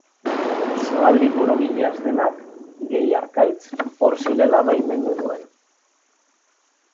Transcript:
Soaldi borobilaz denak, gehi Arkaitz, hor zirela baimendu nuen.